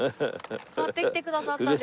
持ってきてくださったんですか？